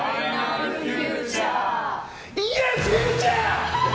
イエス、フューチャー！